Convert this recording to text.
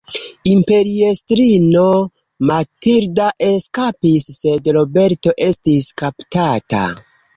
Imperiestrino Matilda eskapis sed Roberto estis kaptata.